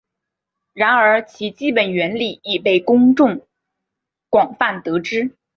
然而其基本原理已被公众广泛得知。